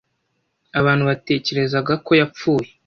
Abantu batekerezaga ko yapfuye.